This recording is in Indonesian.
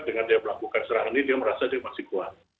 dengan dia melakukan serangan ini dia merasa dia masih kuat